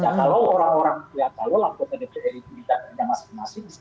ya kalau orang orang lihat kalau anggota dpr itu didatangi masing masing